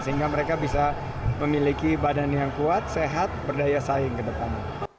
sehingga mereka bisa memiliki badan yang kuat sehat berdaya saing ke depan